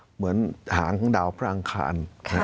เหมือนหางของดาวพระอังคาร